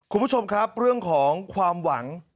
คุณผู้ชมครับเรื่องของความหวัง